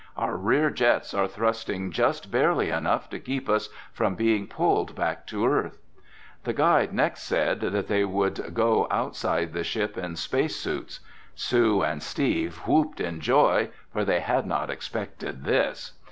Our rear jets are thrusting just barely enough to keep us from being pulled back down to earth." The guide next said that they would go outside the ship in space suits. Sue and Steve whooped in joy for they had not expected this.